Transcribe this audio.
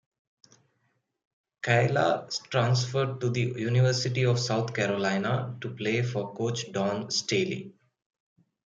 Kaela transferred to the University of South Carolina to play for Coach Dawn Staley.